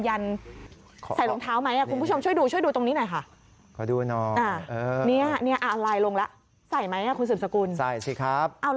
ใส่รองเท้าไหมคุณผู้ชมช่วยดูช่วยดูตรงนี้หน่อยค่ะ